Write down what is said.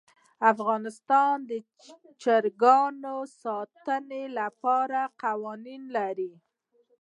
افغانستان د چرګان د ساتنې لپاره قوانین لري.